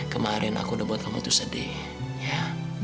kemarin aku udah buat kamu tuh sedih ya